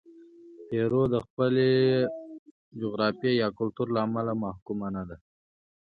پیرو د خپلې جغرافیې یا کلتور له امله محکومه نه ده.